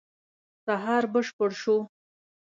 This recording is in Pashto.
سهار بشپړ شو.